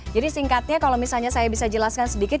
jadi singkatnya kalau misalnya saya bisa jelaskan sedikit